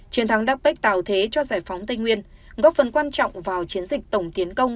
chiến thắng đac tạo thế cho giải phóng tây nguyên góp phần quan trọng vào chiến dịch tổng tiến công